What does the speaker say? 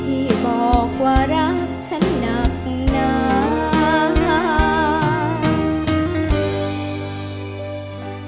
ที่บอกว่ารักฉันหนักหนา